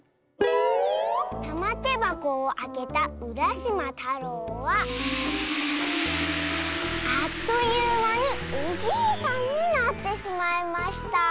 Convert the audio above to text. たまてばこをあけたうらしまたろうはあっというまにおじいさんになってしまいました。